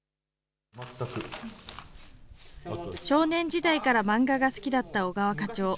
少年時代から漫画が好きだった小川課長。